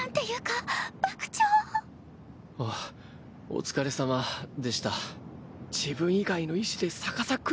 おお疲れさまでした。